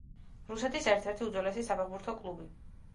რუსეთის ერთ-ერთი უძველესი საფეხბურთო კლუბი.